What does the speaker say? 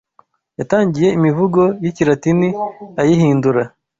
yatangiye imivugo y’ikilatini ayihindura